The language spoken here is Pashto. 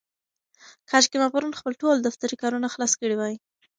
کاشکې ما پرون خپل ټول دفترې کارونه خلاص کړي وای.